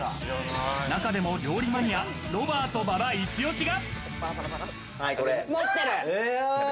中でも料理マニア、ロバート・馬場いち推しが。